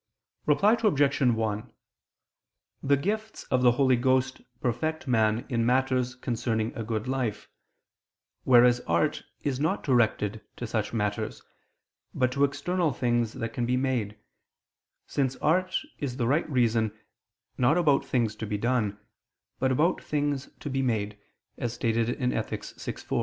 Reply Obj. 1: The gifts of the Holy Ghost perfect man in matters concerning a good life: whereas art is not directed to such matters, but to external things that can be made, since art is the right reason, not about things to be done, but about things to be made (Ethic. vi, 4).